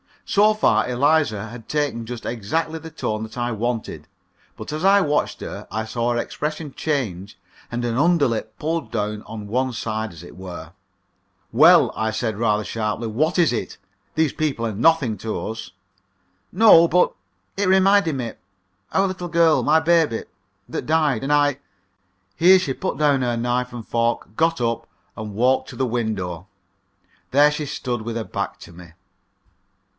So far Eliza had taken just exactly the tone that I wanted. But as I watched her, I saw her expression change and her underlip pulled down on one side, as it were. "Well," I said rather sharply, "what is it? These people are nothing to us." "No. But it reminded me our little girl my baby that died. And I " Here she put down her knife and fork, got up, and walked to the window. There she stood, with her back to me.